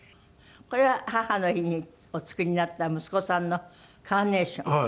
これは母の日にお作りになった息子さんのカーネーション。